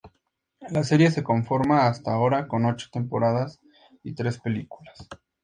La serie se conforma, hasta ahora, con ocho temporadas y tres películas.